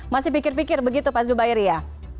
masih pikir pikir begitu pak zubairi ya